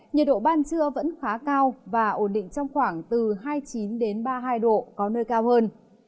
nhiệt độ ban trưa vẫn khá cao và ổn định trong khoảng từ hai mươi chín ba mươi hai độ có nơi cao hơn